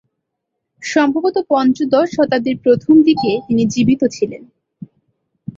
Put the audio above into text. সম্ভবত পঞ্চদশ শতাব্দীর প্রথম দিকে তিনি জীবিত ছিলেন।